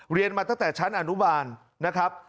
เรียนมาตั้งแต่ชั้นอนุบาลนะครับ